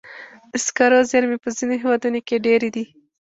د سکرو زیرمې په ځینو هېوادونو کې ډېرې دي.